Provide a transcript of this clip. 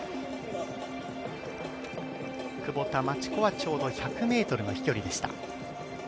久保田真知子はちょうど１００ｍの飛距離でした。